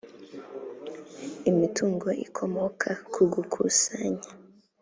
imitungo ikomoka ku gukusanya